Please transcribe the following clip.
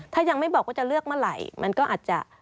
ถ้ายังไม่บอกว่าจะเลือกเมื่อไหร่มันก็อาจจะ